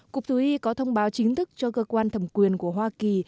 cục thú y có thông báo chính thức cho cơ quan thẩm quyền của hoa kỳ